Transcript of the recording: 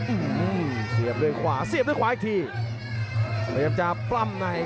อื้มเสียบด้วยขวาเสียบด้วยขวาอีกทีพยายามจะปร่ำหน่อยครับอภิวัฒน์